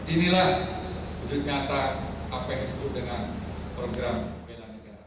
inilah wujud nyata apa yang disebut dengan program bela negara